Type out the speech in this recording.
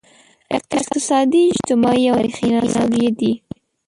اقتصادي، اجتماعي او تاریخي عناصر یې دي.